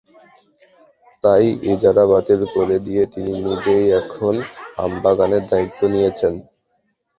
তাই ইজারা বাতিল করে দিয়ে তিনি নিজেই এখন আমবাগানের দায়িত্ব নিয়েছেন।